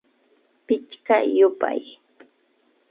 Pichka yupay